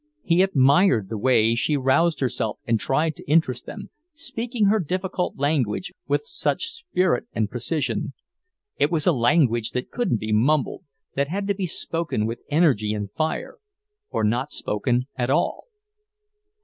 He admired the way she roused herself and tried to interest them, speaking her difficult language with such spirit and precision. It was a language that couldn't be mumbled; that had to be spoken with energy and fire, or not spoken at all.